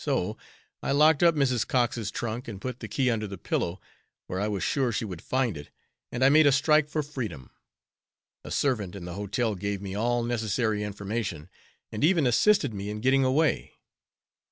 So I locked up Mrs. Cox's trunk and put the key under the pillow, where I was sure she would find it, and I made a strike for freedom! A servant in the hotel gave me all necessary information and even assisted me in getting away.